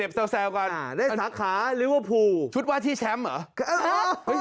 แซวกันได้สาขาลิเวอร์พูลชุดว่าที่แชมป์เหรอ